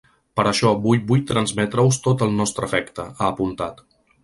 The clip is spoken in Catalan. Per això vull vull transmetre-us tot el nostre afecte, ha apuntat.